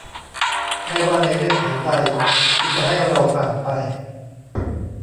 ไม่ว่าในเงื่อนไขใด คุณจะให้เราผ่านไป